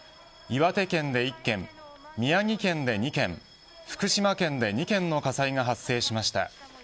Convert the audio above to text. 岩手県で１件宮城県で２件福島県で２件の火災が発生しました。